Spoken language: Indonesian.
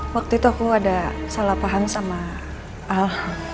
waktu itu aku ada salah paham sama al